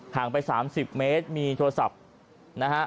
งไป๓๐เมตรมีโทรศัพท์นะฮะ